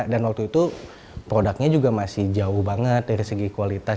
dan waktu itu produknya juga masih jauh banget dari segi kualitas